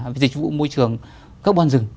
về dịch vụ môi trường các bọn rừng